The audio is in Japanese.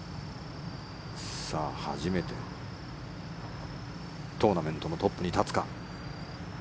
初めてトーナメントのトップに立つか。